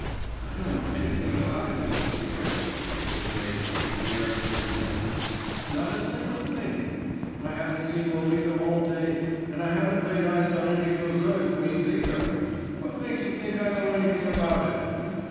"I don't know anything about it, Mr. Peters," said Jimmy with an air of injured innocence, "not a single little thing. I haven't seen Lolita all day and I haven't laid eyes on any of those other queens either. What makes you think I know anything about it?"